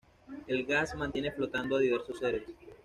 El gas mantiene flotando a diversos seres.